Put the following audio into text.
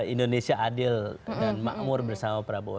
indonesia adil dan makmur bersama prabowo